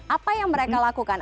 apa yang mereka lakukan